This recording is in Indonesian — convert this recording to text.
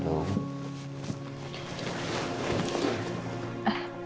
mas terus gimana mama